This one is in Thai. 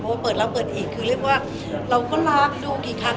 เพราะว่าเปิดแล้วเปิดอีกคือเรียกว่าเราก็ล้างดูกี่ครั้ง